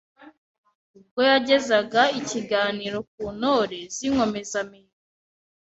Ubwo yagezaga ikiganiro ku Ntore z’Inkomezamihigo